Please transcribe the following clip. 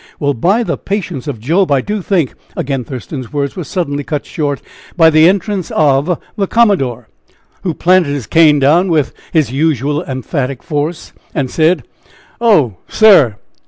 "Well! By the patience of Job, I do think " Again Thurston's words were suddenly cut short, by the entrance of the commodore, who planted his cane down with his usual emphatic force, and said: "Oh, sir!